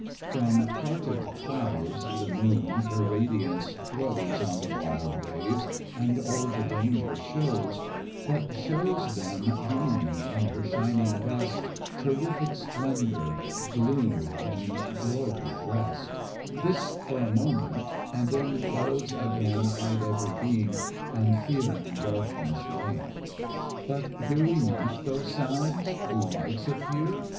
From parted clouds the moon her radiance throws On the wild waves, and all the danger shows; But shows them beaming in her shining vest, Terrific splendour! gloom in glory dress'd! This for a moment, and then clouds again Hide every beam, and fear and darkness reign. But hear we not those sounds? Do lights appear?